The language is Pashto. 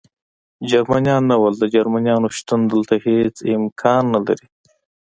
جرمنیان نه و، د جرمنیانو شتون دلته هېڅ امکان نه لري.